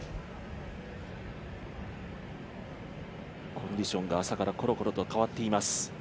コンディションが朝からコロコロと変わっています。